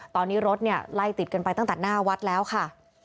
ตอนนี้รถเนี่ยไล่ติดกันไปตั้งแต่หน้าวัดแล้วค่ะ